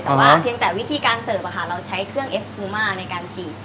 แต่ว่าเพียงแต่วิธีการเสิร์ฟเราใช้เครื่องเอสพูมาในการฉีด